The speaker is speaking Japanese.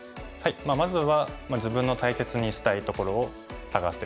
まずは自分の大切にしたいところを探してですね